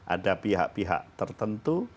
ada pihak pihak tertentu